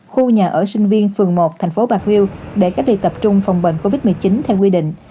khu nhà ở sinh viên phường một thành phố bạc liêu để cách ly tập trung phòng bệnh covid một mươi chín theo quy định